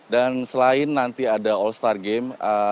dan selain nanti ada all star game